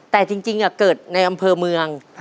แต่จริงเกิดในอำเภอเมือง